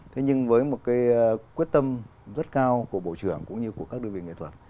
thế nhưng với một cái quyết tâm rất cao của bộ trưởng cũng như của các đơn vị nghệ thuật